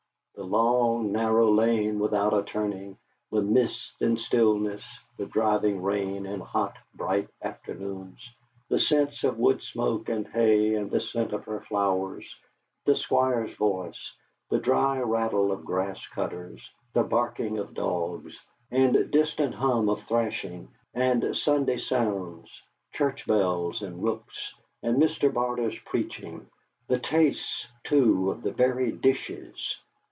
The long narrow lane without a turning, the mists and stillness, the driving rain and hot bright afternoons; the scents of wood smoke and hay and the scent of her flowers; the Squire's voice, the dry rattle of grass cutters, the barking of dogs, and distant hum of threshing; and Sunday sounds church bells and rooks, and Mr. Barter's preaching; the tastes, too, of the very dishes!